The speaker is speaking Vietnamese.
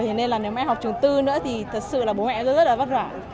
thế nên là nếu mẹ học trường tư nữa thì thật sự là bố mẹ rất là vất vả